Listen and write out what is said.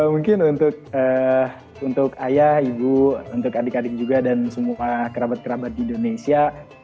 mungkin untuk ayah ibu untuk adik adik juga dan semua kerabat kerabat di indonesia